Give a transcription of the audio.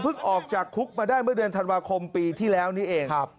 ออกจากคุกมาได้เมื่อเดือนธันวาคมปีที่แล้วนี้เอง